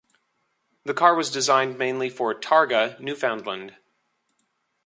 The car was designed mainly for Targa Newfoundland.